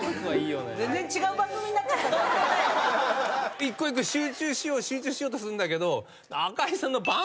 一個一個集中しよう集中しようとすんだけど。